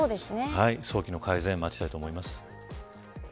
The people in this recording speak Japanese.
早期の改善を待ちたいと思います。